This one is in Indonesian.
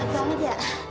gak boleh gak